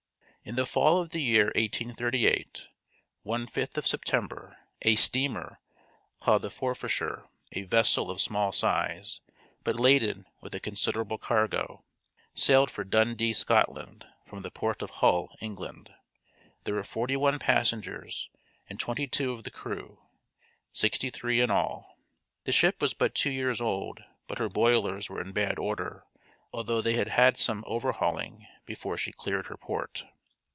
In the fall of the year, 1838, one fifth of September, a steamer, called the Forfarshire, a vessel of small size, but laden with a considerable cargo, sailed for Dundee, Scotland, from the port of Hull, England. There were forty one passengers and twenty two of the crew sixty three in all. The ship was but two years old, but her boilers were in bad order, although they had had some overhauling before she cleared her port.